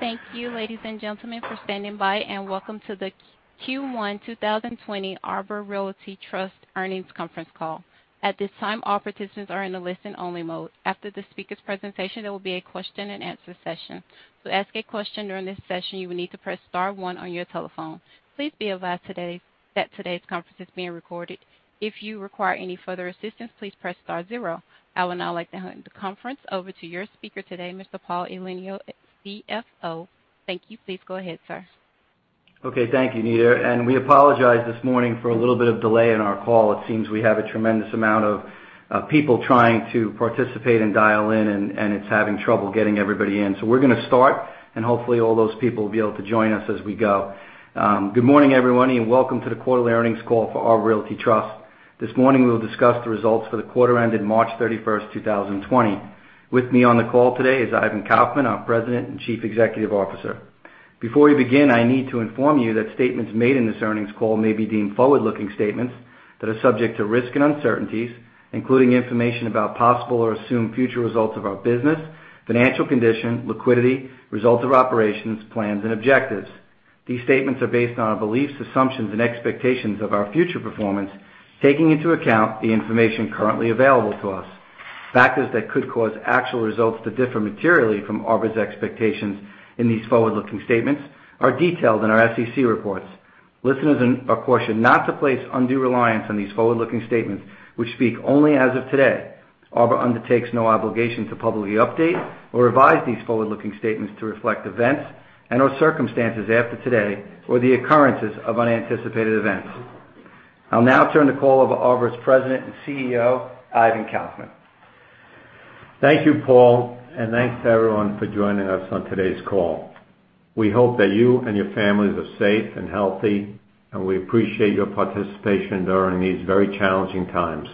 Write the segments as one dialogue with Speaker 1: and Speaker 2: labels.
Speaker 1: Thank you, ladies and gentlemen, for standing by, and welcome to the Q1 2020 Arbor Realty Trust earnings conference call. At this time, all participants are in a listen-only mode. After the speaker's presentation, there will be a question-and-answer session. To ask a question during this session, you will need to press star one on your telephone. Please be aware that today's conference is being recorded. If you require any further assistance, please press star zero. I will now like to hand the conference over to your speaker today, Mr. Paul Elenio, CFO. Thank you. Please go ahead, sir.
Speaker 2: Okay. Thank you, Nita. And we apologize this morning for a little bit of delay in our call. It seems we have a tremendous amount of people trying to participate and dial in, and it's having trouble getting everybody in. So we're going to start, and hopefully all those people will be able to join us as we go. Good morning, everyone, and welcome to the quarterly earnings call for Arbor Realty Trust. This morning, we will discuss the results for the quarter ended March 31st, 2020. With me on the call today is Ivan Kaufman, our President and Chief Executive Officer. Before we begin, I need to inform you that statements made in this earnings call may be deemed forward-looking statements that are subject to risk and uncertainties, including information about possible or assumed future results of our business, financial condition, liquidity, results of operations, plans, and objectives. These statements are based on our beliefs, assumptions, and expectations of our future performance, taking into account the information currently available to us. Factors that could cause actual results to differ materially from Arbor's expectations in these forward-looking statements are detailed in our SEC reports. Listeners are cautioned not to place undue reliance on these forward-looking statements, which speak only as of today. Arbor undertakes no obligation to publicly update or revise these forward-looking statements to reflect events and/or circumstances after today or the occurrences of unanticipated events. I'll now turn the call over to Arbor's President and CEO, Ivan Kaufman.
Speaker 3: Thank you, Paul, and thanks to everyone for joining us on today's call. We hope that you and your families are safe and healthy, and we appreciate your participation during these very challenging times.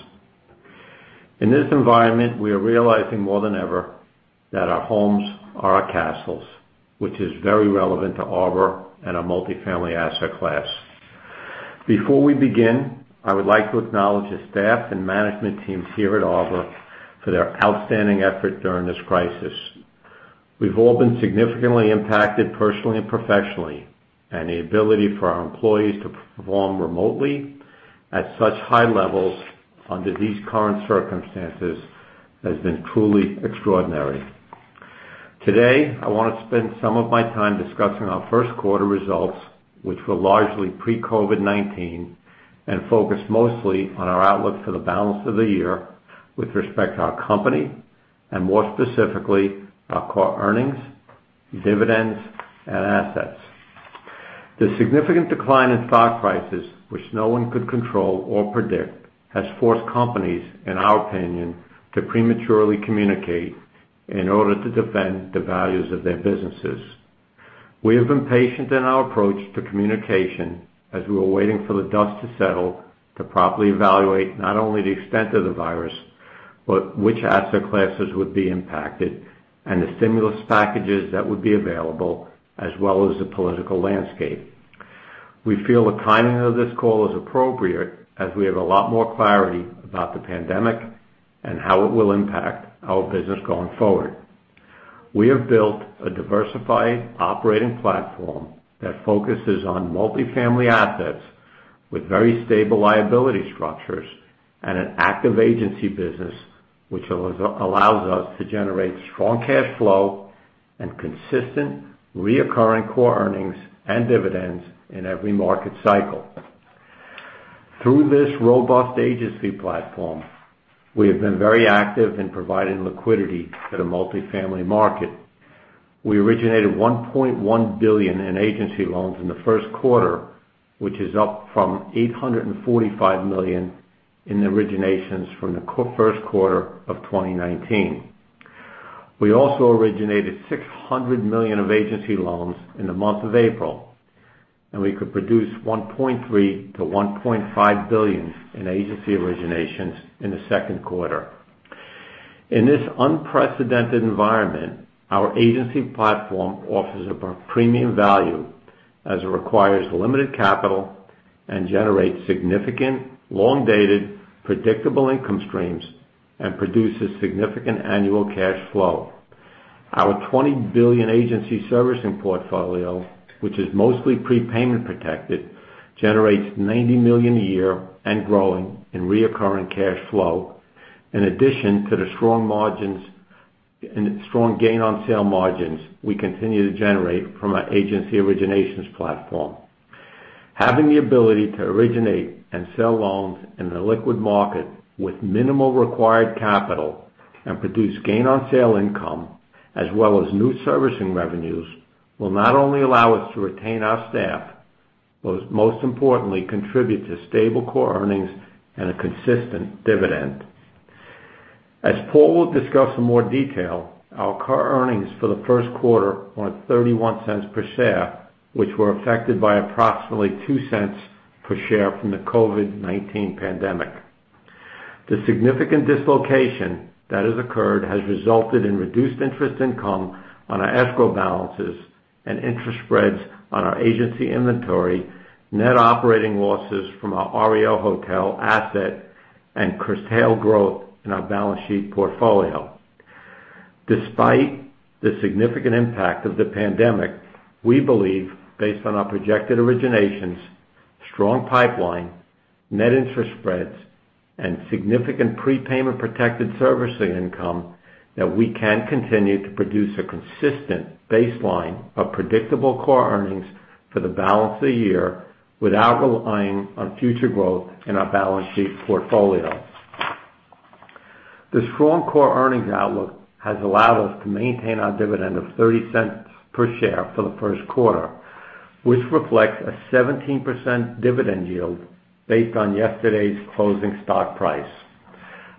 Speaker 3: In this environment, we are realizing more than ever that our homes are our castles, which is very relevant to Arbor and our multifamily asset class. Before we begin, I would like to acknowledge the staff and management teams here at Arbor for their outstanding effort during this crisis. We've all been significantly impacted personally and professionally, and the ability for our employees to perform remotely at such high levels under these current circumstances has been truly extraordinary. Today, I want to spend some of my time discussing our first quarter results, which were largely pre-COVID-19, and focus mostly on our outlook for the balance of the year with respect to our company, and more specifically, our earnings, dividends, and assets. The significant decline in stock prices, which no one could control or predict, has forced companies, in our opinion, to prematurely communicate in order to defend the values of their businesses. We have been patient in our approach to communication as we were waiting for the dust to settle to properly evaluate not only the extent of the virus, but which asset classes would be impacted, and the stimulus packages that would be available, as well as the political landscape. We feel the timing of this call is appropriate as we have a lot more clarity about the pandemic and how it will impact our business going forward. We have built a diversified operating platform that focuses on multifamily assets with very stable liability structures and an active agency business, which allows us to generate strong cash flow and consistent recurring core earnings and dividends in every market cycle. Through this robust agency platform, we have been very active in providing liquidity to the multifamily market. We originated $1.1 billion in agency loans in the first quarter, which is up from $845 million in originations from the first quarter of 2019. We also originated $600 million of agency loans in the month of April, and we could produce $1.3-$1.5 billion in agency originations in the second quarter. In this unprecedented environment, our agency platform offers a premium value as it requires limited capital and generates significant, long-dated, predictable income streams and produces significant annual cash flow. Our $20 billion agency servicing portfolio, which is mostly prepayment protected, generates $90 million a year and growing in recurring cash flow, in addition to the strong gain on sale margins we continue to generate from our agency originations platform. Having the ability to originate and sell loans in the liquid market with minimal required capital and produce gain on sale income, as well as new servicing revenues, will not only allow us to retain our staff, but most importantly, contribute to stable core earnings and a consistent dividend. As Paul will discuss in more detail, our core earnings for the first quarter were at 31 cents per share, which were affected by approximately $2 cents per share from the COVID-19 pandemic. The significant dislocation that has occurred has resulted in reduced interest income on our escrow balances and interest spreads on our agency inventory, net operating losses from our REO hotel asset, and curtailed growth in our balance sheet portfolio. Despite the significant impact of the pandemic, we believe, based on our projected originations, strong pipeline, net interest spreads, and significant prepayment protected servicing income, that we can continue to produce a consistent baseline of predictable core earnings for the balance of the year without relying on future growth in our balance sheet portfolio. The strong core earnings outlook has allowed us to maintain our dividend of $0.30 per share for the first quarter, which reflects a 17% dividend yield based on yesterday's closing stock price.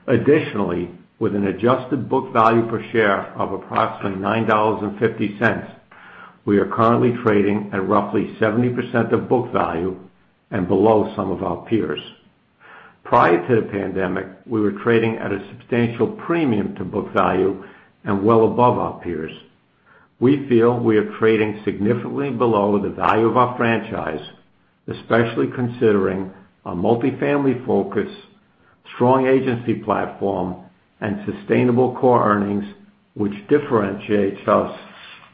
Speaker 3: Additionally, with an adjusted book value per share of approximately $9.50, we are currently trading at roughly 70% of book value and below some of our peers. Prior to the pandemic, we were trading at a substantial premium to book value and well above our peers. We feel we are trading significantly below the value of our franchise, especially considering our multifamily focus, strong agency platform, and sustainable core earnings, which differentiates us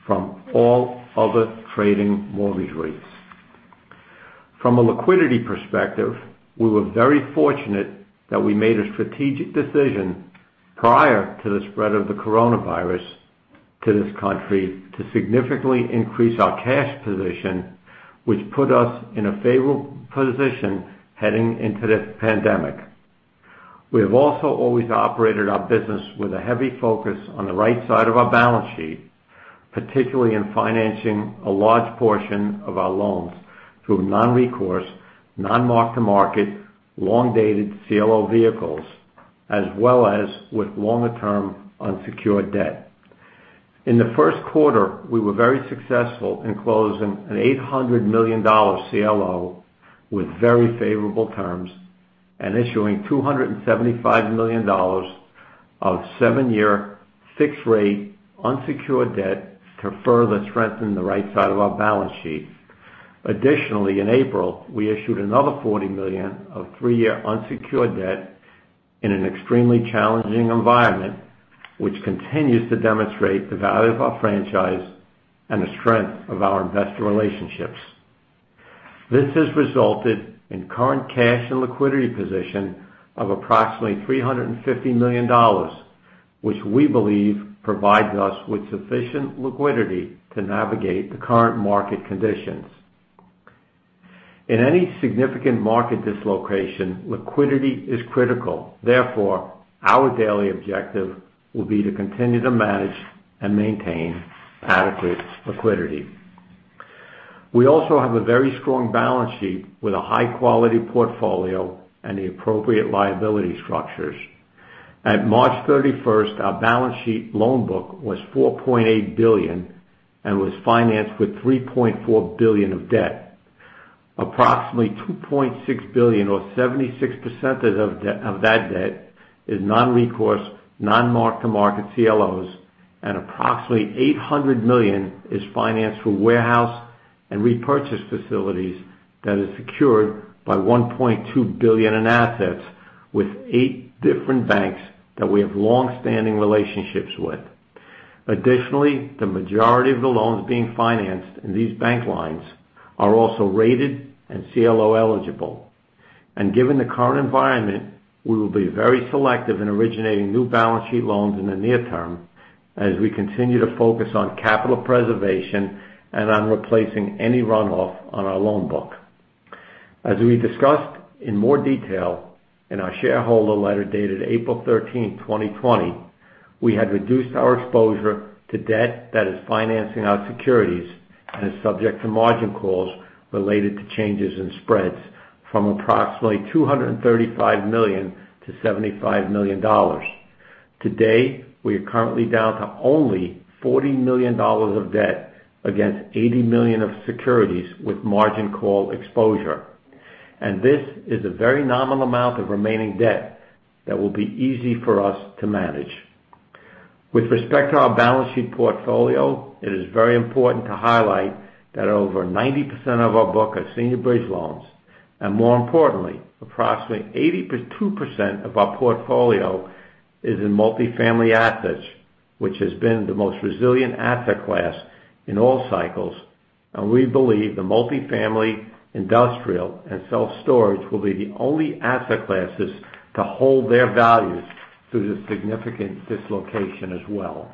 Speaker 3: from all other trading mortgage REITs. From a liquidity perspective, we were very fortunate that we made a strategic decision prior to the spread of the coronavirus to this country to significantly increase our cash position, which put us in a favorable position heading into the pandemic. We have also always operated our business with a heavy focus on the right side of our balance sheet, particularly in financing a large portion of our loans through non-recourse, non-mark-to-market, long-dated CLO vehicles, as well as with longer-term unsecured debt. In the first quarter, we were very successful in closing an $800 million CLO with very favorable terms and issuing $275 million of seven-year fixed rate unsecured debt to further strengthen the right side of our balance sheet. Additionally, in April, we issued another $40 million of three-year unsecured debt in an extremely challenging environment, which continues to demonstrate the value of our franchise and the strength of our investor relationships. This has resulted in current cash and liquidity position of approximately $350 million, which we believe provides us with sufficient liquidity to navigate the current market conditions. In any significant market dislocation, liquidity is critical. Therefore, our daily objective will be to continue to manage and maintain adequate liquidity. We also have a very strong balance sheet with a high-quality portfolio and the appropriate liability structures. At March 31st, our balance sheet loan book was $4.8 billion and was financed with $3.4 billion of debt. Approximately $2.6 billion, or 76% of that debt, is non-recourse, non-mark-to-market CLOs, and approximately $800 million is financed through warehouse and repurchase facilities that are secured by $1.2 billion in assets with eight different banks that we have long-standing relationships with. Additionally, the majority of the loans being financed in these bank lines are also rated and CLO eligible, and given the current environment, we will be very selective in originating new balance sheet loans in the near term as we continue to focus on capital preservation and on replacing any runoff on our loan book. As we discussed in more detail in our shareholder letter dated April 13, 2020, we had reduced our exposure to debt that is financing our securities and is subject to margin calls related to changes in spreads from approximately $235 million to $75 million. Today, we are currently down to only $40 million of debt against $80 million of securities with margin call exposure. And this is a very nominal amount of remaining debt that will be easy for us to manage. With respect to our balance sheet portfolio, it is very important to highlight that over 90% of our book are senior bridge loans, and more importantly, approximately 2% of our portfolio is in multifamily assets, which has been the most resilient asset class in all cycles. And we believe the multifamily, industrial, and self-storage will be the only asset classes to hold their values through the significant dislocation as well.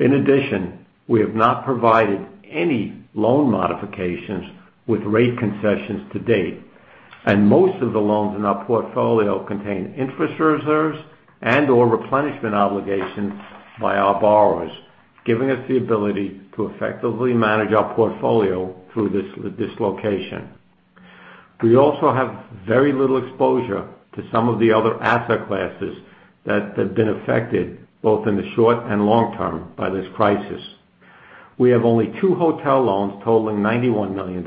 Speaker 3: In addition, we have not provided any loan modifications with rate concessions to date, and most of the loans in our portfolio contain interest reserves and/or replenishment obligations by our borrowers, giving us the ability to effectively manage our portfolio through this dislocation. We also have very little exposure to some of the other asset classes that have been affected both in the short and long term by this crisis. We have only two hotel loans totaling $91 million,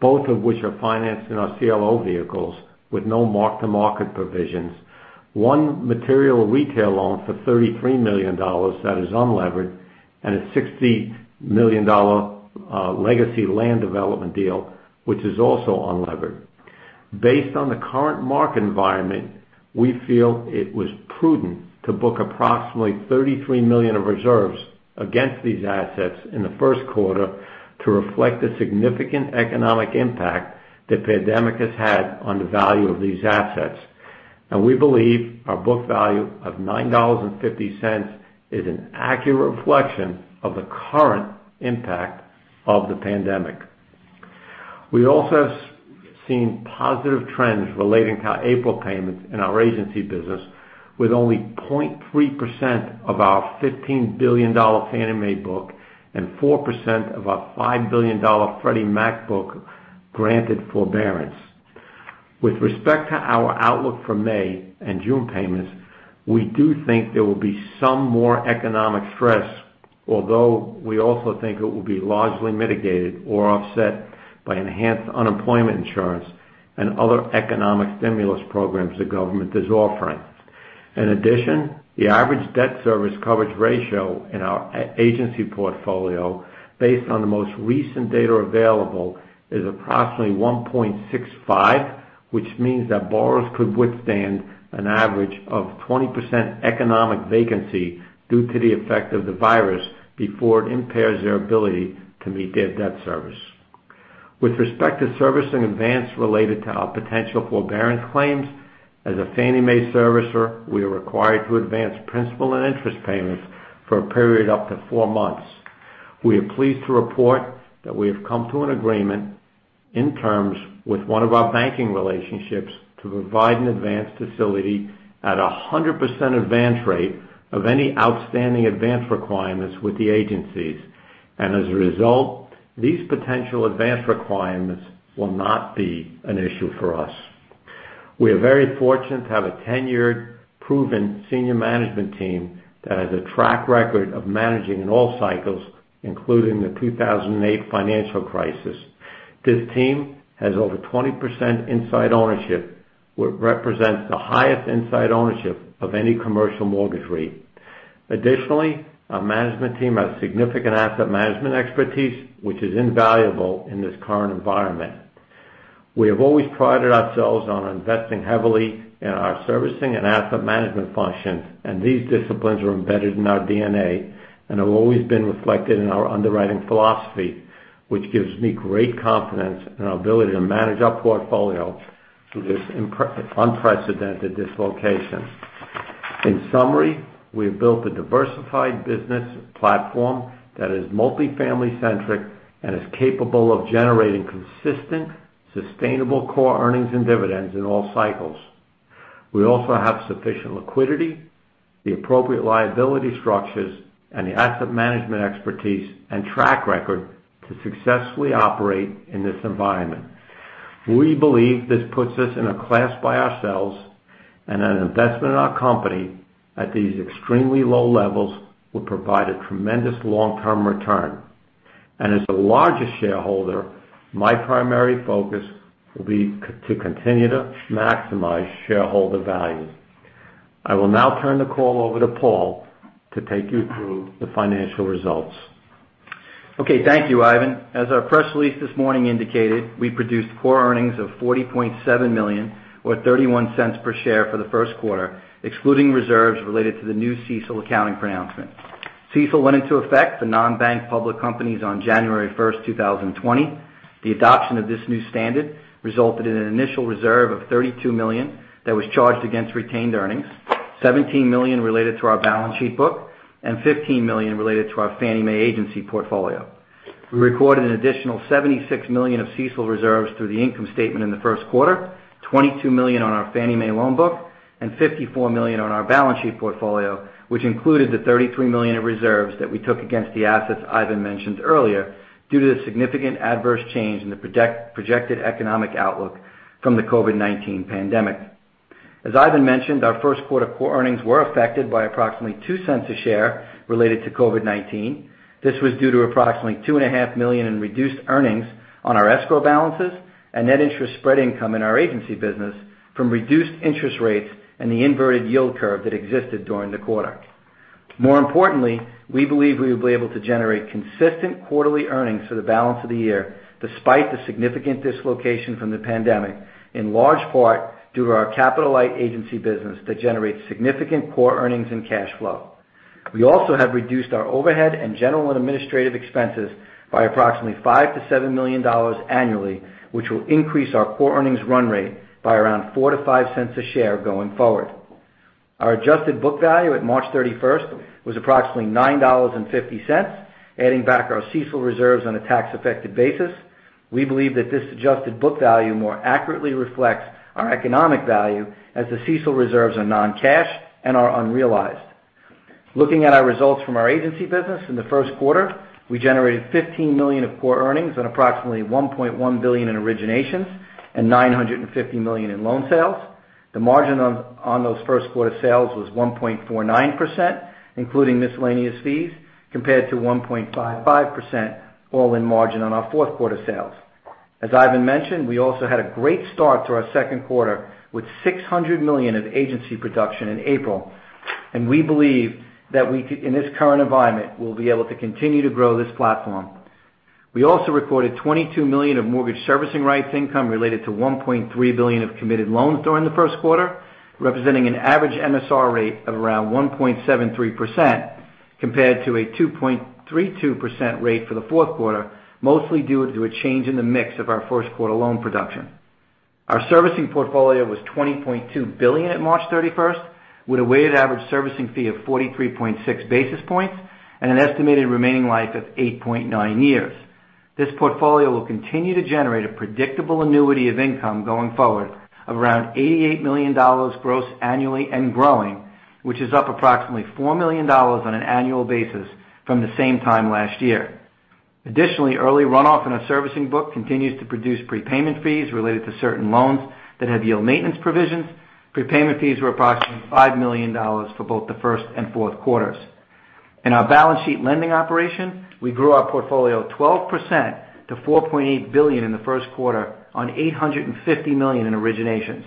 Speaker 3: both of which are financed in our CLO vehicles with no mark-to-market provisions, one material retail loan for $33 million that is unlevered, and a $60 million legacy land development deal, which is also unlevered. Based on the current market environment, we feel it was prudent to book approximately $33 million of reserves against these assets in the first quarter to reflect the significant economic impact the pandemic has had on the value of these assets, and we believe our book value of $9.50 is an accurate reflection of the current impact of the pandemic. We also have seen positive trends relating to our April payments in our agency business, with only 0.3% of our $15 billion Fannie Mae book and 4% of our $5 billion Freddie Mac book granted forbearance. With respect to our outlook for May and June payments, we do think there will be some more economic stress, although we also think it will be largely mitigated or offset by enhanced unemployment insurance and other economic stimulus programs the government is offering. In addition, the average debt service coverage ratio in our agency portfolio, based on the most recent data available, is approximately 1.65, which means that borrowers could withstand an average of 20% economic vacancy due to the effect of the virus before it impairs their ability to meet their debt service. With respect to servicing events related to our potential forbearance claims, as a Fannie Mae servicer, we are required to advance principal and interest payments for a period up to four months. We are pleased to report that we have come to an agreement in terms with one of our banking relationships to provide an advance facility at a 100% advance rate of any outstanding advance requirements with the agencies. And as a result, these potential advance requirements will not be an issue for us. We are very fortunate to have a tenured, proven senior management team that has a track record of managing in all cycles, including the 2008 financial crisis. This team has over 20% inside ownership, which represents the highest inside ownership of any commercial mortgage REIT. Additionally, our management team has significant asset management expertise, which is invaluable in this current environment. We have always prided ourselves on investing heavily in our servicing and asset management functions, and these disciplines are embedded in our DNA and have always been reflected in our underwriting philosophy, which gives me great confidence in our ability to manage our portfolio through this unprecedented dislocation. In summary, we have built a diversified business platform that is multifamily-centric and is capable of generating consistent, sustainable core earnings and dividends in all cycles. We also have sufficient liquidity, the appropriate liability structures, and the asset management expertise and track record to successfully operate in this environment. We believe this puts us in a class by ourselves, and an investment in our company at these extremely low levels will provide a tremendous long-term return. And as the largest shareholder, my primary focus will be to continue to maximize shareholder value. I will now turn the call over to Paul to take you through the financial results.
Speaker 2: Okay. Thank you, Ivan. As our press release this morning indicated, we produced core earnings of $40.7 million, or $0.31 per share for the first quarter, excluding reserves related to the new CECL accounting pronouncement. CECL went into effect for non-bank public companies on January 1st, 2020. The adoption of this new standard resulted in an initial reserve of $32 million that was charged against retained earnings, $17 million related to our balance sheet book, and $15 million related to our Fannie Mae agency portfolio. We recorded an additional $76 million of CECL reserves through the income statement in the first quarter, $22 million on our Fannie Mae loan book, and $54 million on our balance sheet portfolio, which included the $33 million of reserves that we took against the assets Ivan mentioned earlier due to the significant adverse change in the projected economic outlook from the COVID-19 pandemic. As Ivan mentioned, our first quarter core earnings were affected by approximately $0.02 a share related to COVID-19. This was due to approximately $2.5 million in reduced earnings on our escrow balances and net interest spread income in our agency business from reduced interest rates and the inverted yield curve that existed during the quarter. More importantly, we believe we will be able to generate consistent quarterly earnings for the balance of the year despite the significant dislocation from the pandemic, in large part due to our capital-light agency business that generates significant core earnings and cash flow. We also have reduced our overhead and general and administrative expenses by approximately $5-$7 million annually, which will increase our core earnings run rate by around $4-$5 cents a share going forward. Our adjusted book value at March 31st was approximately $9.50. Adding back our CECL reserves on a tax-affected basis, we believe that this adjusted book value more accurately reflects our economic value as the CECL reserves are non-cash and are unrealized. Looking at our results from our agency business in the first quarter, we generated $15 million of core earnings and approximately $1.1 billion in originations and $950 million in loan sales. The margin on those first quarter sales was 1.49%, including miscellaneous fees, compared to 1.55% all-in margin on our fourth quarter sales. As Ivan mentioned, we also had a great start to our second quarter with $600 million of agency production in April, and we believe that in this current environment, we'll be able to continue to grow this platform. We also recorded $22 million of mortgage servicing rights income related to $1.3 billion of committed loans during the first quarter, representing an average MSR rate of around 1.73% compared to a 2.32% rate for the fourth quarter, mostly due to a change in the mix of our first quarter loan production. Our servicing portfolio was $20.2 billion at March 31st, with a weighted average servicing fee of 43.6 basis points and an estimated remaining life of 8.9 years. This portfolio will continue to generate a predictable annuity of income going forward of around $88 million gross annually and growing, which is up approximately $4 million on an annual basis from the same time last year. Additionally, early runoff in our servicing book continues to produce prepayment fees related to certain loans that have yield maintenance provisions. Prepayment fees were approximately $5 million for both the first and fourth quarters. In our balance sheet lending operation, we grew our portfolio 12% to $4.8 billion in the first quarter on $850 million in originations.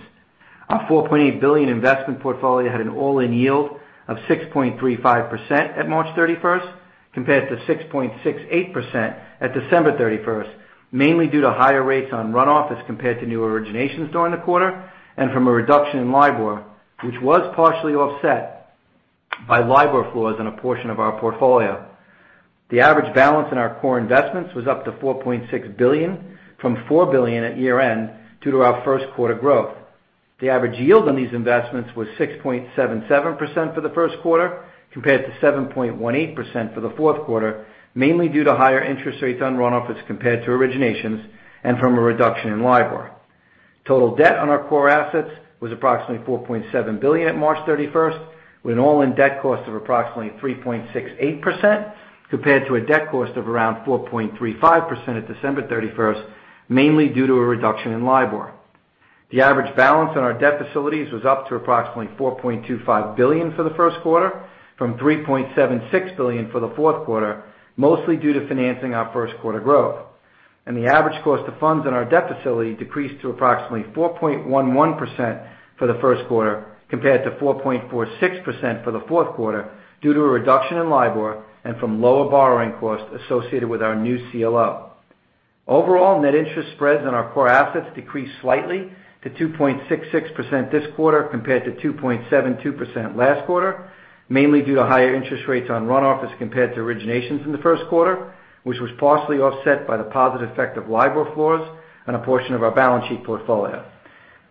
Speaker 2: Our $4.8 billion investment portfolio had an all-in yield of 6.35% at March 31st compared to 6.68% at December 31st, mainly due to higher rates on runoff as compared to new originations during the quarter and from a reduction in LIBOR, which was partially offset by LIBOR floor on a portion of our portfolio. The average balance in our core investments was up to $4.6 billion from $4 billion at year-end due to our first quarter growth. The average yield on these investments was 6.77% for the first quarter compared to 7.18% for the fourth quarter, mainly due to higher interest rates on runoff as compared to originations and from a reduction in LIBOR. Total debt on our core assets was approximately $4.7 billion at March 31st, with an all-in debt cost of approximately 3.68% compared to a debt cost of around 4.35% at December 31st, mainly due to a reduction in LIBOR. The average balance on our debt facilities was up to approximately $4.25 billion for the first quarter from $3.76 billion for the fourth quarter, mostly due to financing our first quarter growth. And the average cost of funds on our debt facility decreased to approximately 4.11% for the first quarter compared to 4.46% for the fourth quarter due to a reduction in LIBOR and from lower borrowing costs associated with our new CLO. Overall, net interest spreads on our core assets decreased slightly to 2.66% this quarter compared to 2.72% last quarter, mainly due to higher interest rates on runoff as compared to originations in the first quarter, which was partially offset by the positive effect of LIBOR floors on a portion of our balance sheet portfolio.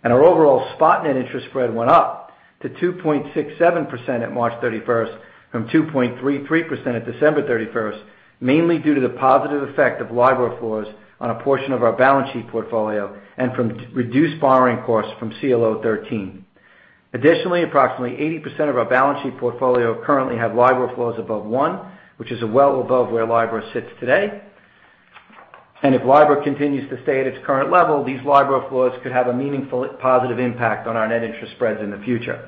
Speaker 2: And our overall spot net interest spread went up to 2.67% at March 31st from 2.33% at December 31st, mainly due to the positive effect of LIBOR floors on a portion of our balance sheet portfolio and from reduced borrowing costs from CLO 13. Additionally, approximately 80% of our balance sheet portfolio currently have LIBOR floors above one, which is well above where LIBOR sits today. And if LIBOR continues to stay at its current level, these LIBOR floors could have a meaningful positive impact on our net interest spreads in the future.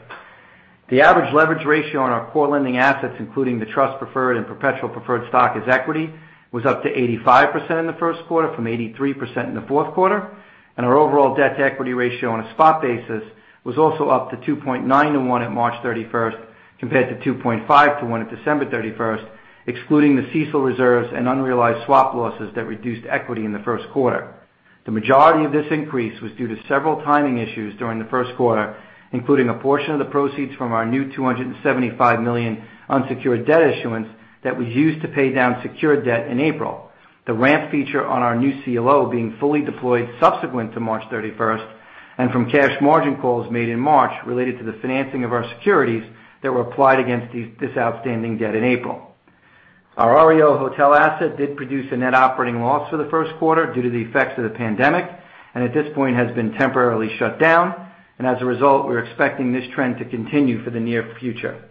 Speaker 2: The average leverage ratio on our core lending assets, including the trust preferred and perpetual preferred stock as equity, was up to 85% in the first quarter from 83% in the fourth quarter. And our overall debt to equity ratio on a spot basis was also up to 2.9 to 1 at March 31st compared to 2.5 to 1 at December 31st, excluding the CECL reserves and unrealized swap losses that reduced equity in the first quarter. The majority of this increase was due to several timing issues during the first quarter, including a portion of the proceeds from our new $275 million unsecured debt issuance that was used to pay down secured debt in April. The ramp feature on our new CLO being fully deployed subsequent to March 31st and from cash margin calls made in March related to the financing of our securities that were applied against this outstanding debt in April. Our RIO hotel asset did produce a net operating loss for the first quarter due to the effects of the pandemic, and at this point has been temporarily shut down, and as a result, we're expecting this trend to continue for the near future.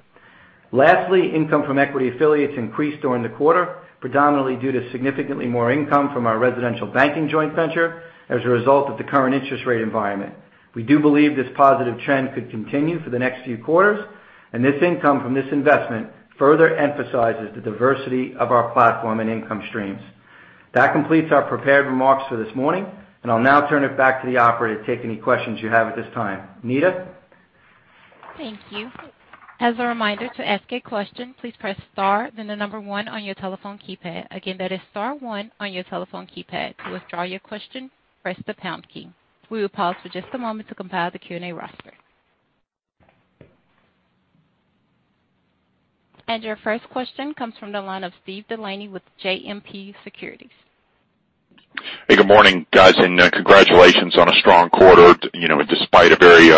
Speaker 2: Lastly, income from equity affiliates increased during the quarter, predominantly due to significantly more income from our residential banking joint venture as a result of the current interest rate environment. We do believe this positive trend could continue for the next few quarters, and this income from this investment further emphasizes the diversity of our platform and income streams. That completes our prepared remarks for this morning, and I'll now turn it back to the operator to take any questions you have at this time. Nita?
Speaker 1: Thank you. As a reminder, to ask a question, please press star, then the number one on your telephone keypad. Again, that is star one on your telephone keypad. To withdraw your question, press the pound key. We will pause for just a moment to compile the Q&A roster. And your first question comes from the line of Steven DeLaney with JMP Securities.
Speaker 4: Hey, good morning, guys, and congratulations on a strong quarter despite a very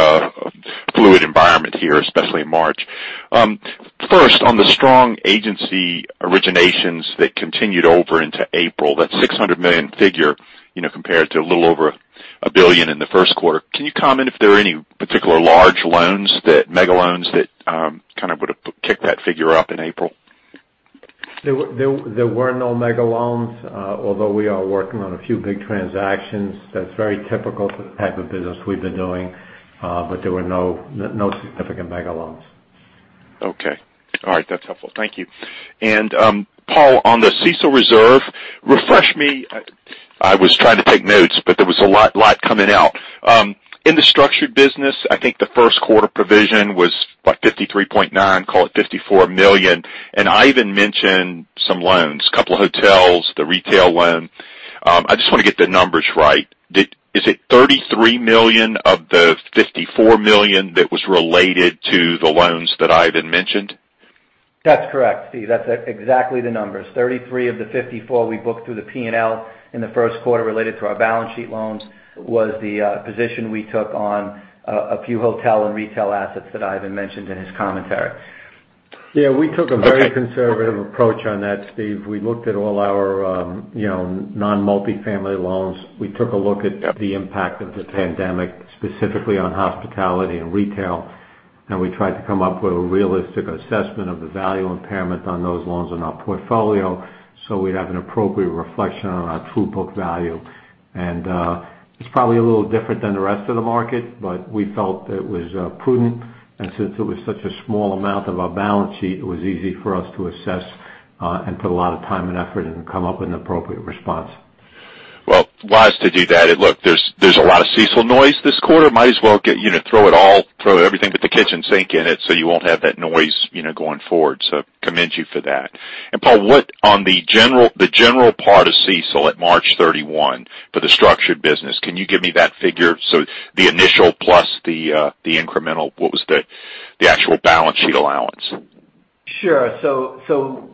Speaker 4: fluid environment here, especially in March. First, on the strong agency originations that continued over into April, that $600 million figure compared to a little over a billion in the first quarter, can you comment if there are any particular large loans, mega loans that kind of would have kicked that figure up in April?
Speaker 3: There were no mega loans, although we are working on a few big transactions. That's very typical for the type of business we've been doing, but there were no significant mega loans.
Speaker 4: Okay. All right. That's helpful. Thank you. And Paul, on the CECL reserve, refresh me. I was trying to take notes, but there was a lot coming out. In the structured business, I think the first quarter provision was about $53.9 million, call it $54 million. And Ivan mentioned some loans, a couple of hotels, the retail one. I just want to get the numbers right. Is it $33 million of the $54 million that was related to the loans that Ivan mentioned?
Speaker 2: That's correct, Steve. That's exactly the numbers. $33 million of the $54 million we booked through the P&L in the first quarter related to our balance sheet loans was the position we took on a few hotel and retail assets that Ivan mentioned in his commentary.
Speaker 3: Yeah, we took a very conservative approach on that, Steve. We looked at all our non-multifamily loans. We took a look at the impact of the pandemic, specifically on hospitality and retail, and we tried to come up with a realistic assessment of the value impairment on those loans in our portfolio so we'd have an appropriate reflection on our true book value, and it's probably a little different than the rest of the market, but we felt it was prudent. Since it was such a small amount of our balance sheet, it was easy for us to assess and put a lot of time and effort and come up with an appropriate response.
Speaker 4: Well, wise to do that. Look, there's a lot of CECL noise this quarter. Might as well throw everything with the kitchen sink in it so you won't have that noise going forward. So commend you for that. And Paul, on the general part of CECL at March 31 for the structured business, can you give me that figure? So the initial plus the incremental, what was the actual balance sheet allowance?
Speaker 2: Sure. So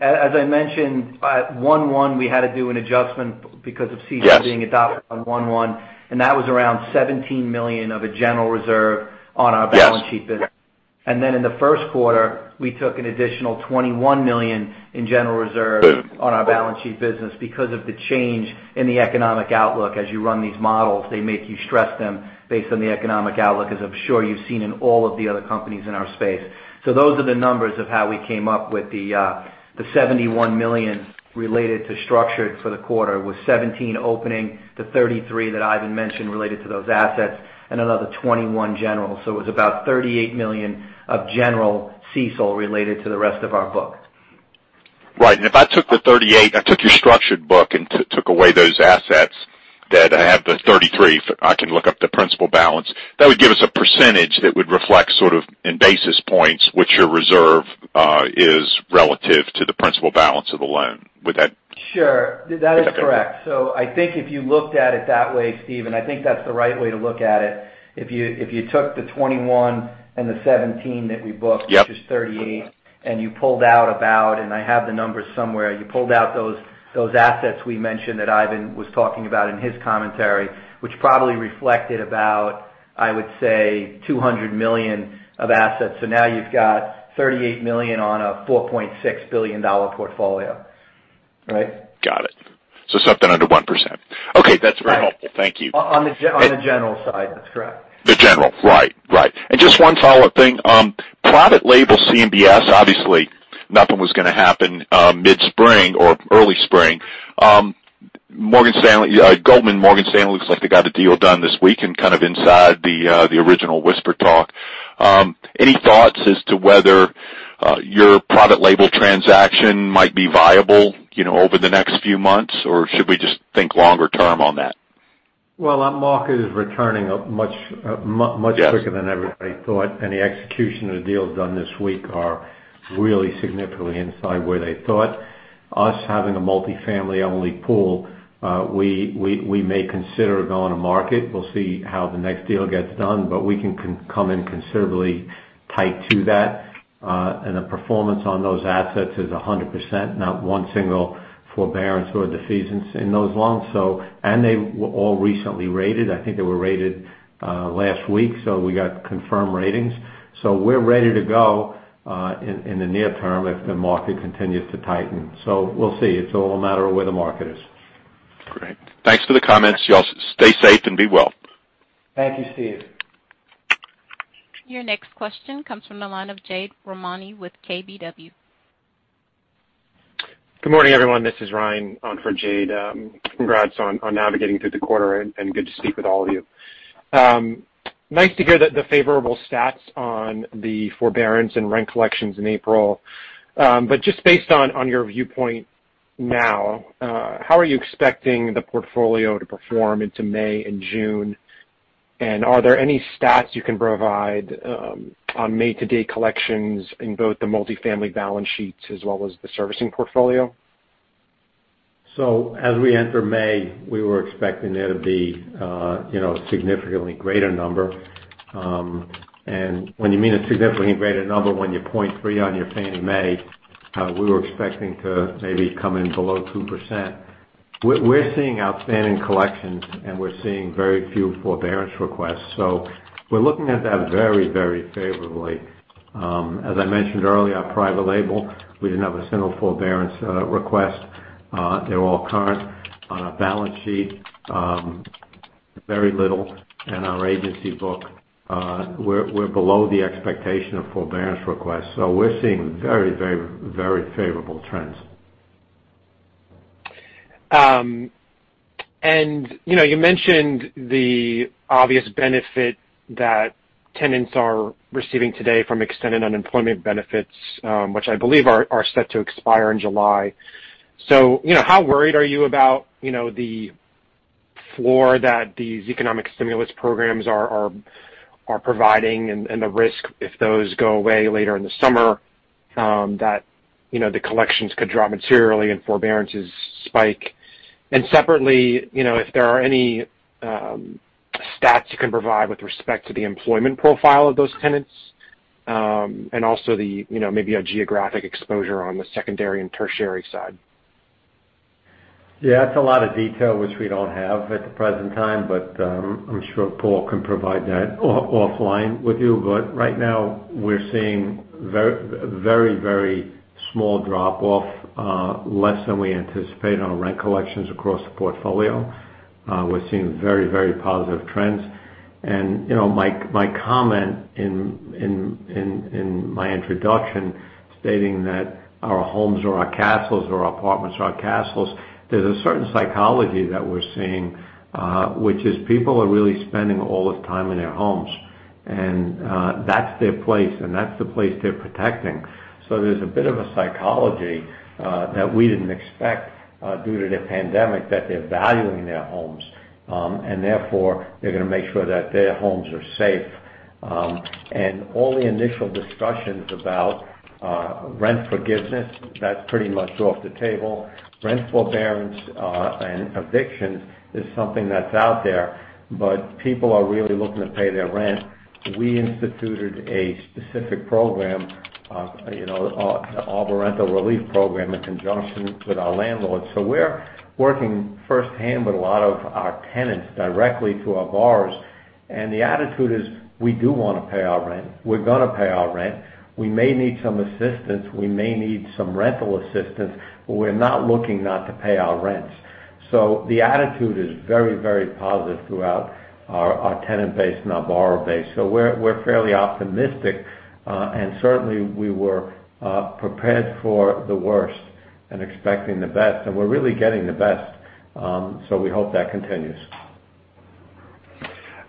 Speaker 2: as I mentioned, at 1/1, we had to do an adjustment because of CECL being adopted on 1/1, and that was around $17 million of a general reserve on our balance sheet business. Then in the first quarter, we took an additional $21 million in general reserve on our balance sheet business because of the change in the economic outlook. As you run these models, they make you stress them based on the economic outlook, as I'm sure you've seen in all of the other companies in our space. Those are the numbers of how we came up with the $71 million related to structured for the quarter, with $17 million opening, the $33 million that Ivan mentioned related to those assets, and another $21 million general. So it was about $38 million of general CECL related to the rest of our book.
Speaker 4: Right. And if I took the $38 million, I took your structured book and took away those assets that have the $33 million, I can look up the principal balance. That would give us a percentage that would reflect sort of in basis points which your reserve is relative to the principal balance of the loan. Would that?
Speaker 2: Sure. That is correct. So I think if you looked at it that way, Steven, I think that's the right way to look at it. If you took the 21 and the 17 that we booked, which is 38, and you pulled out about, and I have the numbers somewhere, you pulled out those assets we mentioned that Ivan was talking about in his commentary, which probably reflected about, I would say, 200 million of assets. So now you've got 38 million on a $4.6 billion portfolio. Right?
Speaker 4: Got it. So something under 1%. Okay. That's very helpful. Thank you.
Speaker 2: On the general side, that's correct.
Speaker 4: The general. Right. Right. And just one follow-up thing. Private label CMBS, obviously, nothing was going to happen mid-spring or early spring. Goldman Sachs, Morgan Stanley looks like they got a deal done this week and kind of inside the original whisper talk. Any thoughts as to whether your private label transaction might be viable over the next few months, or should we just think longer term on that?
Speaker 3: That market is returning much quicker than everybody thought, and the execution of the deals done this week are really significantly inside where they thought. Us having a multifamily-only pool, we may consider going to market. We'll see how the next deal gets done, but we can come in considerably tight to that, and the performance on those assets is 100%, not one single forbearance or defeasance in those loans, and they were all recently rated. I think they were rated last week, so we got confirmed ratings. So we're ready to go in the near term if the market continues to tighten. So we'll see. It's all a matter of where the market is.
Speaker 4: Great. Thanks for the comments. Y'all stay safe and be well.
Speaker 3: Thank you, Steve.
Speaker 1: Your next question comes from the line of Jade Rahmani with KBW.
Speaker 5: Good morning, everyone. This is Ryan for Jade. Congrats on navigating through the quarter, and good to speak with all of you. Nice to hear the favorable stats on the forbearance and rent collections in April. But just based on your viewpoint now, how are you expecting the portfolio to perform into May and June? And are there any stats you can provide on May-to-date collections in both the multifamily balance sheets as well as the servicing portfolio?
Speaker 3: So as we enter May, we were expecting it to be a significantly greater number. And when you mean a significantly greater number, when you're 0.3% on your Fannie Mae, we were expecting to maybe come in below 2%. We're seeing outstanding collections, and we're seeing very few forbearance requests. So we're looking at that very, very favorably. As I mentioned earlier, our private label, we didn't have a single forbearance request. They're all current on our balance sheet, very little. And our agency book, we're below the expectation of forbearance requests. So we're seeing very, very, very favorable trends.
Speaker 5: And you mentioned the obvious benefit that tenants are receiving today from extended unemployment benefits, which I believe are set to expire in July. So how worried are you about the floor that these economic stimulus programs are providing and the risk if those go away later in the summer that the collections could drop materially and forbearances spike? Separately, if there are any stats you can provide with respect to the employment profile of those tenants and also maybe a geographic exposure on the secondary and tertiary side?
Speaker 3: Yeah, that's a lot of detail which we don't have at the present time, but I'm sure Paul can provide that offline with you. But right now, we're seeing very, very small drop-off, less than we anticipate on rent collections across the portfolio. We're seeing very, very positive trends. My comment in my introduction stating that our homes are our castles or our apartments are our castles, there's a certain psychology that we're seeing, which is people are really spending all this time in their homes. That's their place, and that's the place they're protecting. There's a bit of a psychology that we didn't expect due to the pandemic that they're valuing their homes. Therefore, they're going to make sure that their homes are safe. All the initial discussions about rent forgiveness, that's pretty much off the table. Rent forbearance and evictions is something that's out there, but people are really looking to pay their rent. We instituted a specific program, the Arbor Rental Relief Program, in conjunction with our landlords. So we're working firsthand with a lot of our tenants directly through our borrowers. The attitude is, "We do want to pay our rent. We're going to pay our rent. We may need some assistance. We may need some rental assistance, but we're not looking not to pay our rents." The attitude is very, very positive throughout our tenant base and our borrower base. We're fairly optimistic, and certainly, we were prepared for the worst and expecting the best. And we're really getting the best, so we hope that continues.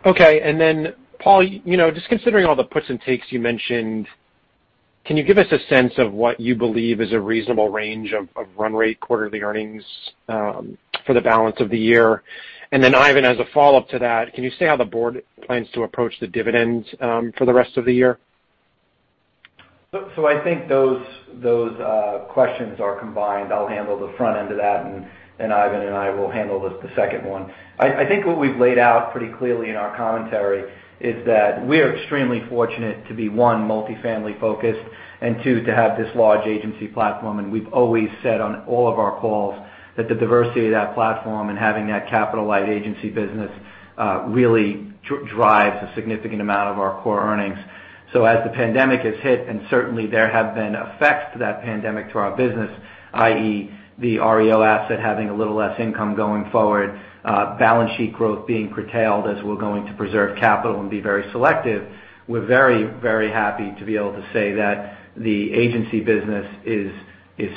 Speaker 5: Okay. And then, Paul, just considering all the puts and takes you mentioned, can you give us a sense of what you believe is a reasonable range of run rate quarterly earnings for the balance of the year? And then, Ivan, as a follow-up to that, can you say how the board plans to approach the dividends for the rest of the year?
Speaker 2: So I think those questions are combined. I'll handle the front end of that, and Ivan and I will handle the second one. I think what we've laid out pretty clearly in our commentary is that we are extremely fortunate to be, one, multifamily-focused, and two, to have this large agency platform. We've always said on all of our calls that the diversity of that platform and having that capital-light agency business really drives a significant amount of our core earnings. As the pandemic has hit, and certainly, there have been effects to that pandemic to our business, i.e., the REO asset having a little less income going forward, balance sheet growth being curtailed as we're going to preserve capital and be very selective, we're very, very happy to be able to say that the agency business is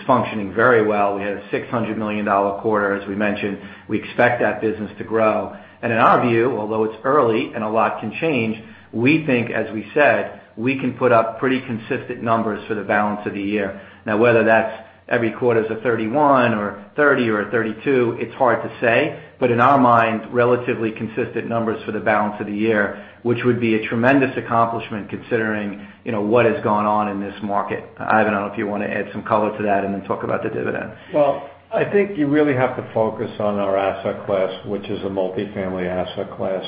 Speaker 2: functioning very well. We had a $600 million quarter, as we mentioned. We expect that business to grow. In our view, although it's early and a lot can change, we think, as we said, we can put up pretty consistent numbers for the balance of the year. Now, whether that's every quarter's a 31 or 30 or a 32, it's hard to say, but in our mind, relatively consistent numbers for the balance of the year, which would be a tremendous accomplishment considering what has gone on in this market. Ivan, I don't know if you want to add some color to that and then talk about the dividend.
Speaker 3: Well, I think you really have to focus on our asset class, which is a multifamily asset class.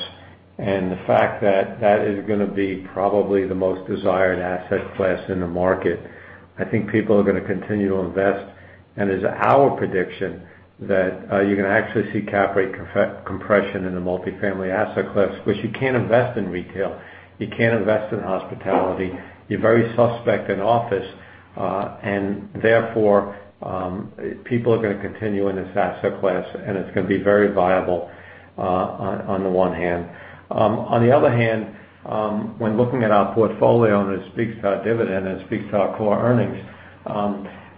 Speaker 3: And the fact that that is going to be probably the most desired asset class in the market, I think people are going to continue to invest, and it's our prediction that you're going to actually see cap rate compression in the multifamily asset class, which you can't invest in retail. You can't invest in hospitality. You're very suspect in office. And therefore, people are going to continue in this asset class, and it's going to be very viable on the one hand. On the other hand, when looking at our portfolio and it speaks to our dividend and it speaks to our core earnings,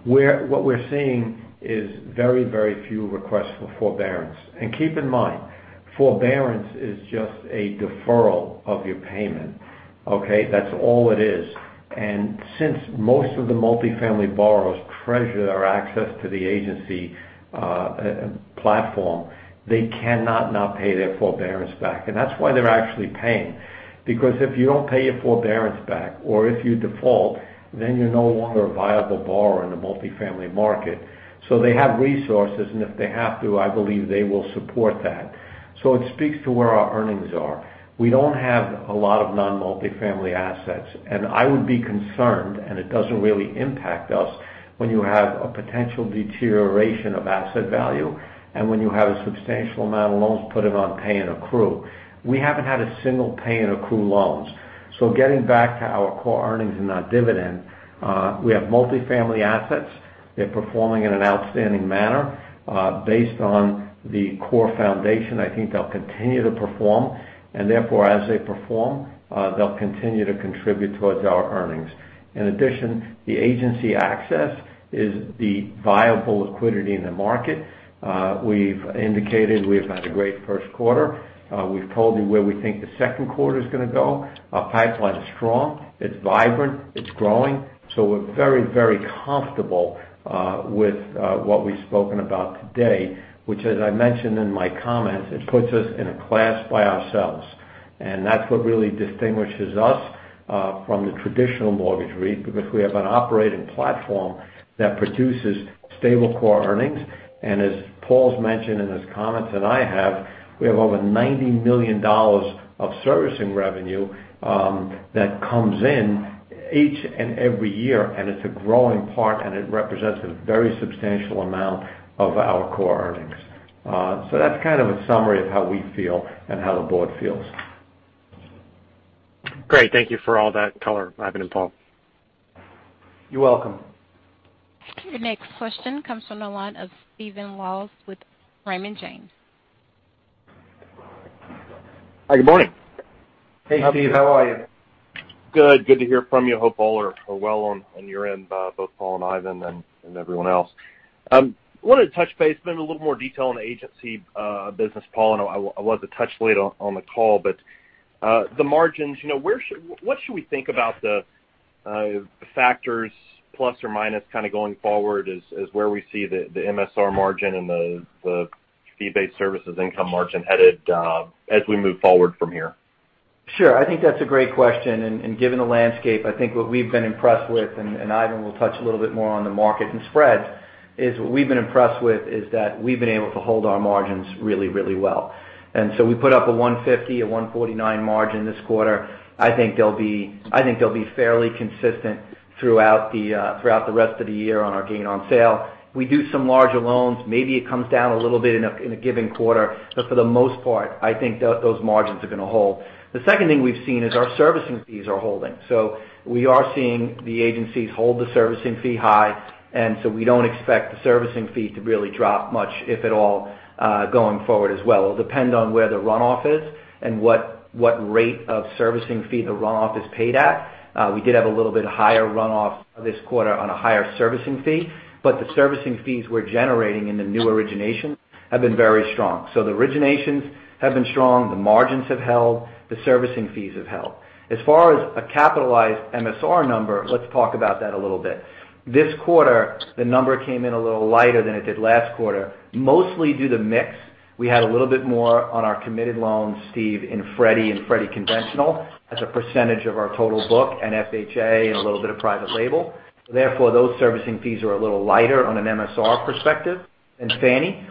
Speaker 3: what we're seeing is very, very few requests for forbearance. And keep in mind, forbearance is just a deferral of your payment. Okay? That's all it is. And since most of the multifamily borrowers treasure their access to the agency platform, they cannot not pay their forbearance back. And that's why they're actually paying. Because if you don't pay your forbearance back or if you default, then you're no longer a viable borrower in the multifamily market. So they have resources, and if they have to, I believe they will support that. So it speaks to where our earnings are. We don't have a lot of non-multifamily assets, and I would be concerned, and it doesn't really impact us, when you have a potential deterioration of asset value and when you have a substantial amount of loans put in non-accrual. We haven't had a single non-accrual loans, so getting back to our core earnings and our dividend, we have multifamily assets. They're performing in an outstanding manner. Based on the core foundation, I think they'll continue to perform. And therefore, as they perform, they'll continue to contribute towards our earnings. In addition, the agency assets are the viable liquidity in the market. We've indicated we've had a great first quarter. We've told you where we think the second quarter is going to go. Our pipeline is strong. It's vibrant. It's growing. So we're very, very comfortable with what we've spoken about today, which, as I mentioned in my comments, it puts us in a class by ourselves. And that's what really distinguishes us from the traditional mortgage REIT because we have an operating platform that produces stable core earnings. And as Paul's mentioned in his comments and I have, we have over $90 million of servicing revenue that comes in each and every year. And it's a growing part, and it represents a very substantial amount of our core earnings. So that's kind of a summary of how we feel and how the board feels.
Speaker 5: Great. Thank you for all that color, Ivan and Paul.
Speaker 3: You're welcome.
Speaker 1: Your next question comes from the line of Stephen Laws with Raymond James.
Speaker 6: Hi, good morning.
Speaker 3: Hey, Steve. How are you?
Speaker 6: Good. Good to hear from you. Hope all are well on your end, both Paul and Ivan and everyone else. Wanted to touch base with a little more detail on the agency business, Paul. And it wasn't touched on late in the call, but the margins, what should we think about the factors plus or minus kind of going forward as where we see the MSR margin and the fee-based services income margin headed as we move forward from here?
Speaker 3: Sure. I think that's a great question. Given the landscape, I think what we've been impressed with, and Ivan will touch a little bit more on the market and spreads, is what we've been impressed with is that we've been able to hold our margins really, really well. And so we put up a 150, a 149 margin this quarter. I think they'll be fairly consistent throughout the rest of the year on our gain on sale. We do some larger loans. Maybe it comes down a little bit in a given quarter. But for the most part, I think those margins are going to hold. The second thing we've seen is our servicing fees are holding. So we are seeing the agencies hold the servicing fee high. And so we don't expect the servicing fee to really drop much, if at all, going forward as well. It'll depend on where the runoff is and what rate of servicing fee the runoff is paid at. We did have a little bit higher runoff this quarter on a higher servicing fee. But the servicing fees we're generating in the new originations have been very strong. So the originations have been strong. The margins have held. The servicing fees have held. As far as a capitalized MSR number, let's talk about that a little bit. This quarter, the number came in a little lighter than it did last quarter, mostly due to mix. We had a little bit more on our committed loans, Steve, in Fannie and Freddie conventional as a percentage of our total book and FHA and a little bit of private label. Therefore, those servicing fees are a little lighter on an MSR perspective than Fannie.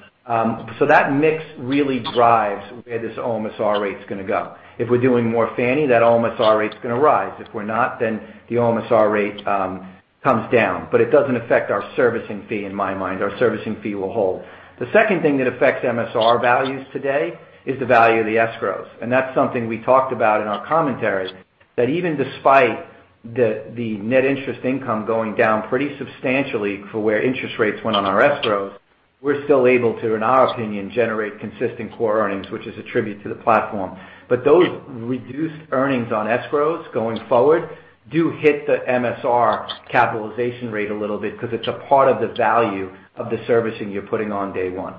Speaker 3: So that mix really drives where this OMSR rate's going to go. If we're doing more Fannie, that OMSR rate's going to rise. If we're not, then the OMSR rate comes down. But it doesn't affect our servicing fee in my mind. Our servicing fee will hold. The second thing that affects MSR values today is the value of the escrows. And that's something we talked about in our commentary that even despite the net interest income going down pretty substantially for where interest rates went on our escrows, we're still able to, in our opinion, generate consistent core earnings, which is a tribute to the platform. But those reduced earnings on escrows going forward do hit the MSR capitalization rate a little bit because it's a part of the value of the servicing you're putting on day one.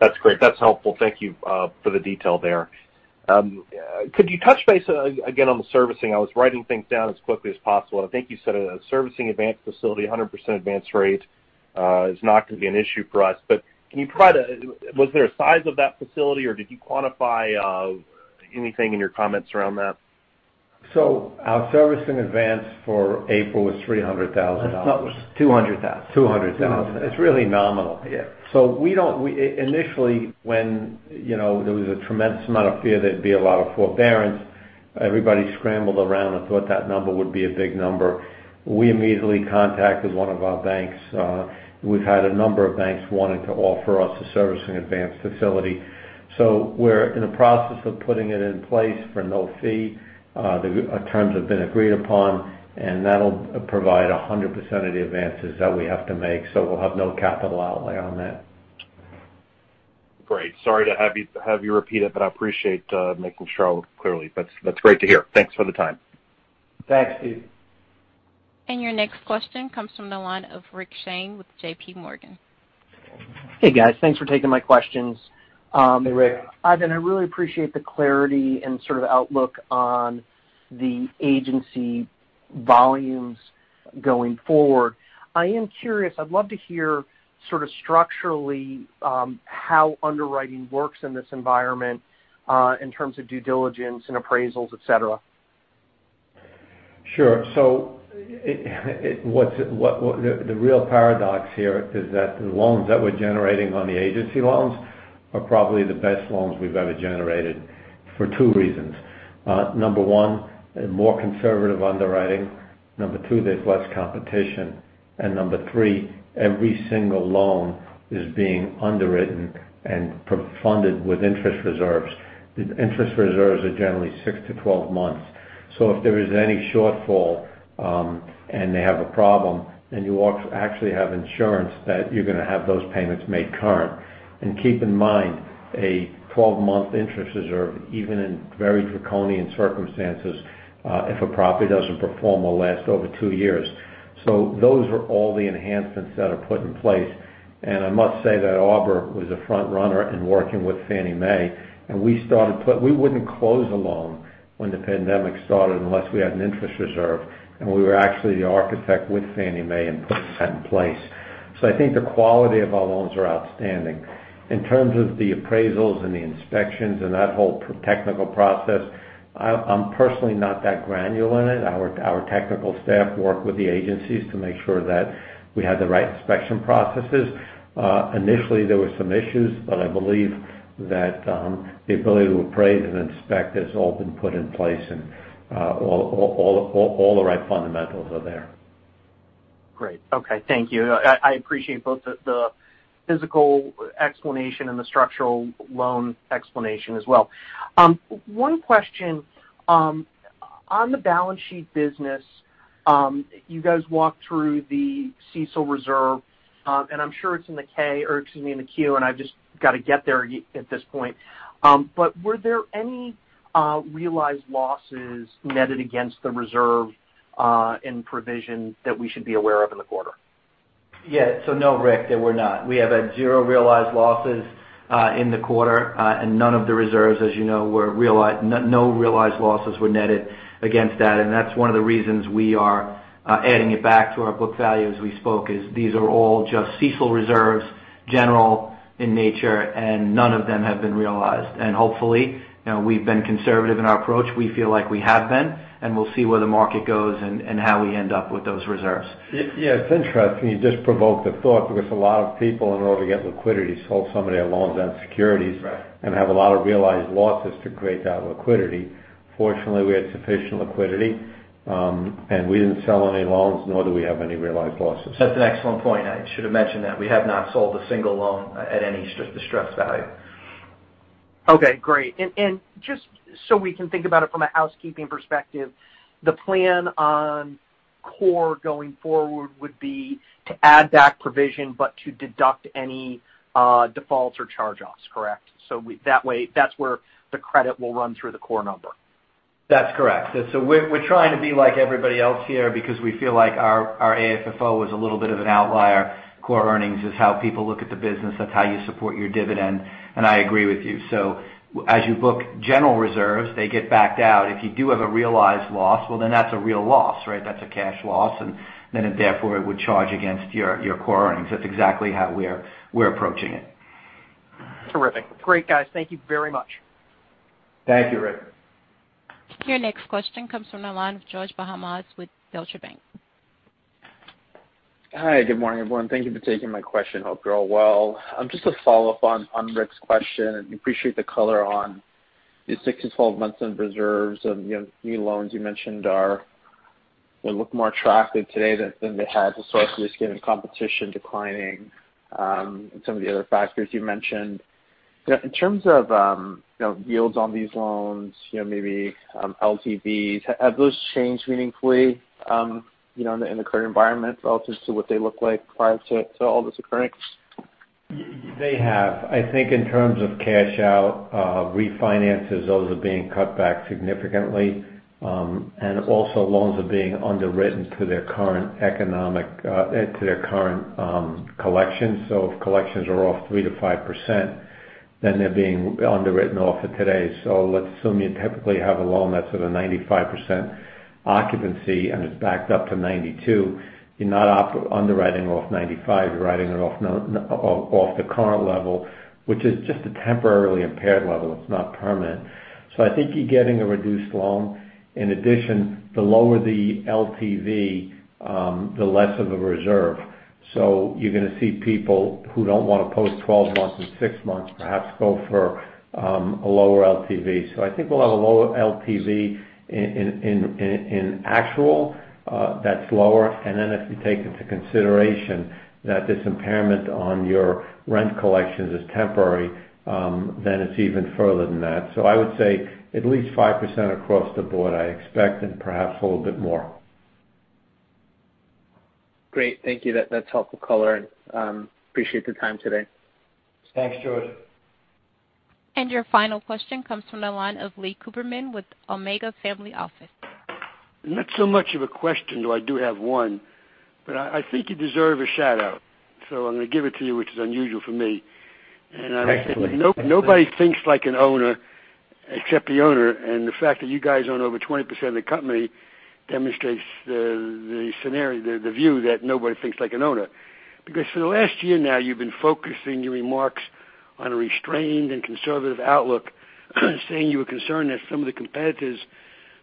Speaker 6: That's great. That's helpful. Thank you for the detail there. Could you touch base again on the servicing? I was writing things down as quickly as possible. And I think you said a servicing advance facility, 100% advance rate is not going to be an issue for us. But can you provide? Was there a size of that facility, or did you quantify anything in your comments around that?
Speaker 3: So our servicing advance for April was $300,000.
Speaker 2: That's not what it was. $200,000.
Speaker 3: $200,000. It's really nominal. So initially, when there was a tremendous amount of fear there'd be a lot of forbearance, everybody scrambled around and thought that number would be a big number. We immediately contacted one of our banks. We've had a number of banks wanting to offer us a servicing advance facility. So we're in the process of putting it in place for no fee. The terms have been agreed upon, and that'll provide 100% of the advances that we have to make. So we'll have no capital outlay on that.
Speaker 6: Great. Sorry to have you repeat it, but I appreciate making sure all was clearly. That's great to hear. Thanks for the time.
Speaker 3: Thanks, Steve.
Speaker 1: And your next question comes from the line of Rick Shane with J.P. Morgan.
Speaker 7: Hey, guys. Thanks for taking my questions.
Speaker 3: Hey, Rick.
Speaker 7: Ivan, I really appreciate the clarity and sort of outlook on the agency volumes going forward. I am curious. I'd love to hear sort of structurally how underwriting works in this environment in terms of due diligence and appraisals, etc.
Speaker 3: Sure. So the real paradox here is that the loans that we're generating on the agency loans are probably the best loans we've ever generated for two reasons. Number one, more conservative underwriting. Number two, there's less competition. And number three, every single loan is being underwritten and funded with interest reserves. Interest reserves are generally six to 12 months. So if there is any shortfall and they have a problem, then you actually have insurance that you're going to have those payments made current. And keep in mind, a 12-month interest reserve, even in very draconian circumstances, if a property doesn't perform or lasts over two years. So those are all the enhancements that are put in place. And I must say that Arbor was a front runner in working with Fannie Mae. And we started. We wouldn't close a loan when the pandemic started unless we had an interest reserve. And we were actually the architect with Fannie Mae in putting that in place. So I think the quality of our loans are outstanding. In terms of the appraisals and the inspections and that whole technical process, I'm personally not that granular in it. Our technical staff work with the agencies to make sure that we have the right inspection processes. Initially, there were some issues, but I believe that the ability to appraise and inspect has all been put in place, and all the right fundamentals are there.
Speaker 7: Great. Okay. Thank you. I appreciate both the physical explanation and the structural loan explanation as well. One question. On the balance sheet business, you guys walked through the CECL reserve, and I'm sure it's in the 10-K or excuse me, in the 10-Q, and I've just got to get there at this point. But were there any realized losses netted against the reserve in provision that we should be aware of in the quarter?
Speaker 2: Yeah. So no, Rick, there were not. We have zero realized losses in the quarter, and none of the reserves, as you know, no realized losses were netted against that. That's one of the reasons we are adding it back to our book value as we spoke is these are all just CECL reserves, general in nature, and none of them have been realized. Hopefully, we've been conservative in our approach. We feel like we have been, and we'll see where the market goes and how we end up with those reserves. Yeah. It's interesting. You just provoked a thought because a lot of people, in order to get liquidity, sold some of their loans and securities and have a lot of realized losses to create that liquidity. Fortunately, we had sufficient liquidity, and we didn't sell any loans, nor do we have any realized losses. That's an excellent point. I should have mentioned that. We have not sold a single loan at any distressed value.
Speaker 7: Okay. Great. And just so we can think about it from a housekeeping perspective, the plan on core going forward would be to add back provision but to deduct any defaults or charge-offs, correct? So that way, that's where the credit will run through the core number.
Speaker 3: That's correct. So we're trying to be like everybody else here because we feel like our AFFO was a little bit of an outlier. Core earnings is how people look at the business. That's how you support your dividend. And I agree with you. So as you book general reserves, they get backed out. If you do have a realized loss, well, then that's a real loss, right? That's a cash loss. And then therefore, it would charge against your core earnings. That's exactly how we're approaching it.
Speaker 7: Terrific. Great, guys. Thank you very much.
Speaker 3: Thank you, Rick.
Speaker 1: Your next question comes from the line of George Bahamondes with Deutsche Bank.
Speaker 8: Hi. Good morning, everyone. Thank you for taking my question. Hope you're all well. Just a follow-up on Rick's question. I appreciate the color on the 6- to 12-month reserves. And new loans you mentioned are look more attractive today than they had historically. There's given competition declining and some of the other factors you mentioned. In terms of yields on these loans, maybe LTVs, have those changed meaningfully in the current environment relative to what they looked like prior to all this occurring?
Speaker 3: They have. I think in terms of cash-out refinances, those are being cut back significantly. And also, loans are being underwritten to their current economic to their current collections. So if collections are off 3%-5%, then they're being underwritten off at today. So let's assume you typically have a loan that's at a 95% occupancy and it's backed up to 92%. You're not underwriting off 95. You're writing it off the current level, which is just a temporarily impaired level. It's not permanent. So I think you're getting a reduced loan. In addition, the lower the LTV, the less of a reserve. So you're going to see people who don't want to post 12 months and six months perhaps go for a lower LTV. So I think we'll have a lower LTV in actual that's lower. And then if you take into consideration that this impairment on your rent collections is temporary, then it's even further than that. So I would say at least 5% across the board, I expect, and perhaps a little bit more.
Speaker 8: Great. Thank you. That's helpful color. Appreciate the time today.
Speaker 3: Thanks, George.
Speaker 1: Your final question comes from the line of Leon Cooperman with Omega Family Office.
Speaker 9: Not so much of a question, though I do have one. But I think you deserve a shout-out. So I'm going to give it to you, which is unusual for me. And I'm actually nobody thinks like an owner except the owner. And the fact that you guys own over 20% of the company demonstrates the view that nobody thinks like an owner. Because for the last year now, you've been focusing your remarks on a restrained and conservative outlook, saying you were concerned that some of the competitors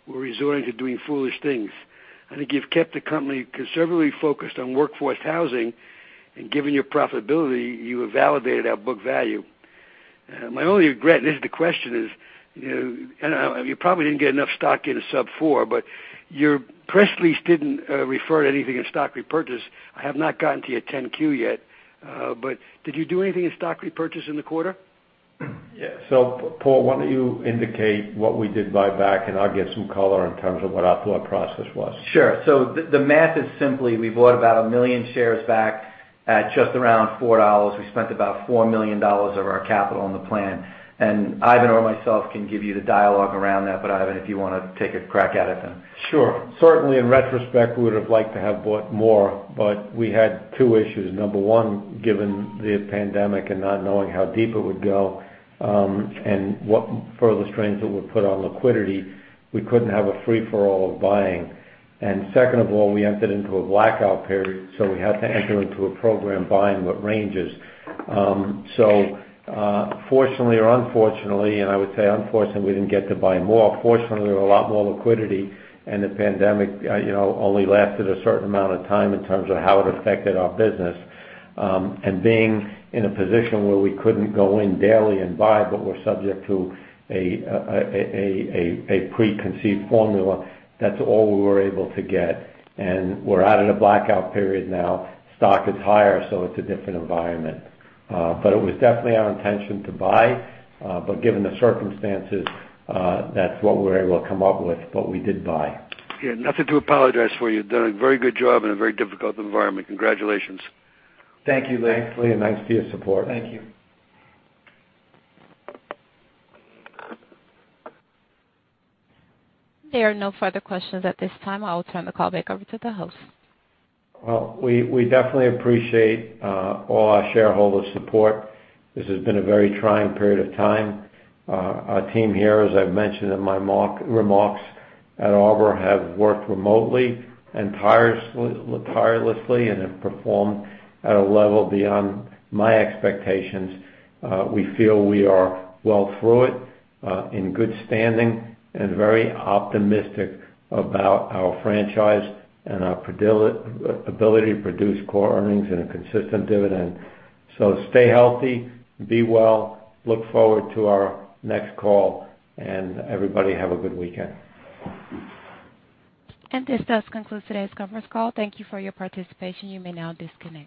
Speaker 9: were resorting to doing foolish things. I think you've kept the company conservatively focused on workforce housing. And given your profitability, you have validated our book value. My only regret is the question is you probably didn't get enough stock in Q4, but your press release didn't refer to anything in stock repurchase. I have not gotten to your 10-Q yet. But did you do anything in stock repurchase in the quarter?
Speaker 3: Yeah. So Paul, why don't you indicate what we did buy back, and I'll get some color in terms of what our thought process was.
Speaker 2: Sure. So the math is simply we bought about a million shares back at just around $4. We spent about $4 million of our capital on the plan. And Ivan or myself can give you the dialogue around that. But Ivan, if you want to take a crack at it, then.
Speaker 3: Sure. Certainly, in retrospect, we would have liked to have bought more. But we had two issues. Number one, given the pandemic and not knowing how deep it would go and what further strains it would put on liquidity, we couldn't have a free-for-all of buying. And second of all, we entered into a blackout period. So we had to enter into a program buying with ranges. So fortunately or unfortunately, and I would say unfortunately, we didn't get to buy more. Fortunately, there was a lot more liquidity. And the pandemic only lasted a certain amount of time in terms of how it affected our business. And being in a position where we couldn't go in daily and buy, but we're subject to a preconceived formula, that's all we were able to get. And we're out of the blackout period now. Stock is higher, so it's a different environment. But it was definitely our intention to buy. But given the circumstances, that's what we were able to come up with. But we did buy.
Speaker 9: Yeah. Nothing to apologize for. You've done a very good job in a very difficult environment. Congratulations.
Speaker 3: Thank you, Leon. Thank you. And thanks for your support.
Speaker 2: Thank you.
Speaker 1: There are no further questions at this time. I will turn the call back over to the host.
Speaker 3: Well, we definitely appreciate all our shareholders' support. This has been a very trying period of time. Our team here, as I've mentioned in my remarks at Arbor, have worked remotely and tirelessly and have performed at a level beyond my expectations. We feel we are well through it, in good standing, and very optimistic about our franchise and our ability to produce core earnings and a consistent dividend. So stay healthy, be well, look forward to our next call. And everybody, have a good weekend.
Speaker 1: This does conclude today's conference call. Thank you for your participation. You may now disconnect.